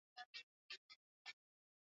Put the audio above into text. Kikohozi kikavu baada ya mahangaiko